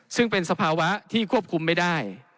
ซึ่งเป็นสภาวะที่ควบคุมไม่ได้